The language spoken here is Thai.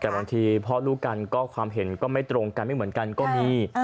แต่บางทีพ่อลูกกันก็ความเห็นก็ไม่ตรงกันไม่เหมือนกันก็มี